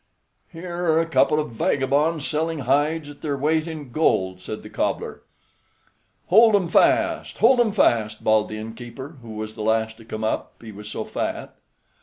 "Here are a couple of vagabonds selling hides at their weight in gold," said the cobbler. "Hold 'em fast; hold 'em fast!" bawled the innkeeper, who was the last to come up, he was so fat.